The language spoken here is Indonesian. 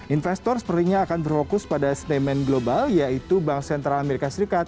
investor sepertinya akan berfokus pada statement global yaitu bank sentral amerika serikat